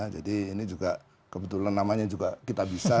jadi ini juga kebetulan namanya juga kitabisa